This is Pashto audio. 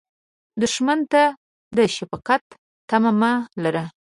دښمن ته د شفقت تمه مه لره